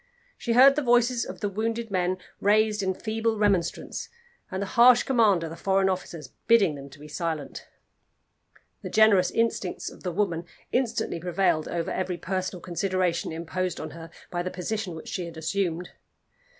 She heard the voices of the wounded men raised in feeble remonstrance, and the harsh command of the foreign officers bidding them be silent. The generous instincts of the woman instantly prevailed over every personal consideration imposed on her by the position which she had assumed.